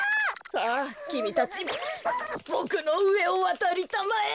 さあきみたちボクのうえをわたりたまえ。